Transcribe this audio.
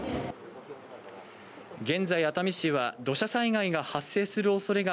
現在、熱海市は土砂災害が発生する恐れが